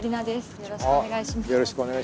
よろしくお願いします。